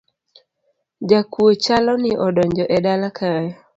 Jakuo chalo ni odonjo e dala kae